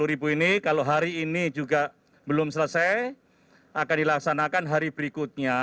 satu ratus tiga puluh ribu ini kalau hari ini juga belum selesai akan dilaksanakan hari berikutnya